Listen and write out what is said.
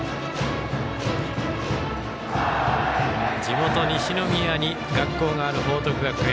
地元・西宮に学校がある報徳学園。